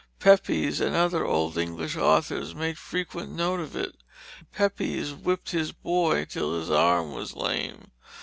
Pepys and other old English authors make frequent note of it. Pepys whipped his boy till his arm was lame.